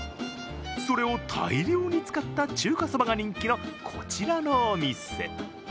それを大量に使った中華そばが人気のこちらのお店。